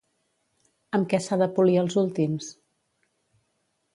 Amb què s'ha de polir els últims?